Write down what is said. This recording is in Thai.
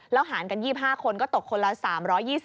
หารกัน๒๕คนก็ตกคนละ๓๒๐